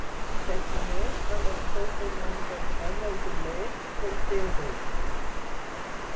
Se'l coneix amb el sobrenom de "Rommel de l'est" pels seus èxits.